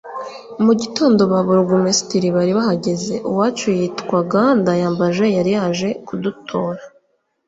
mu gitondo ba Burugumesitiri bari bahageze…uwacu yitwaga Ndayambaje yari yaje kudutora